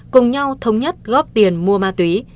cùng nhau thống nhất góp tiền mua ma túy